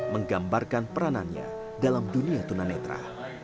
menggambarkan peranannya dalam dunia tunanetra